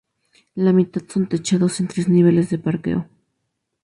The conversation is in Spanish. La mitad son techados en tres niveles de parqueo.